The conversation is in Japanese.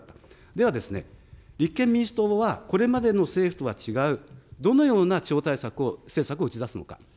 ではですね、立憲民主党は、これまでの政府とは違う、どのような地方対策を、政策を打ち出すのか。